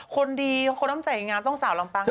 คนดีคนอ้ำใจงานต้องสาวลำปังเจ้า